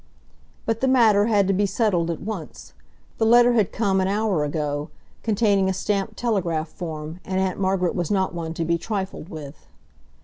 But the matter had to be settled at once. The letter had come an hour ago, containing a stamped telegraph form, and Aunt Margaret was not one to be trifled with.